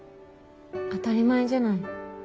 当たり前じゃない。